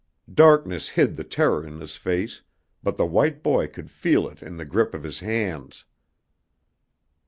Darkness hid the terror in his face, but the white boy could feel it in the grip of his hands.